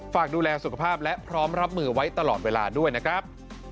ฝากดูแลสุขภาพและพร้อมรับมือไว้ตลอดเวลาด้วยนะครับ